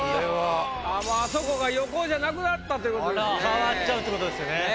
あっもうあそこが横尾じゃなくなったということですね。